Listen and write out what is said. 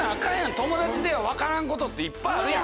友達では分からんことっていっぱいあるやん。